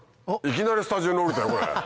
いきなりスタジオに降りたよこれ。